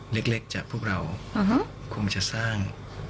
เล็กจากพวกเราคงจะสร้าง